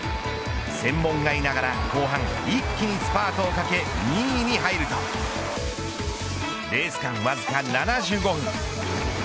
専門外ながら後半一気にスパートをかけ２位に入るとレース間わずか７５分。